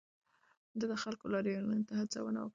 ده د خلکو لاریونونو ته هڅونه وکړه.